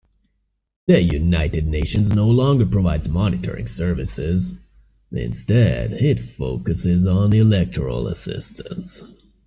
The United Nations no longer provides monitoring services, instead it focuses on electoral assistance.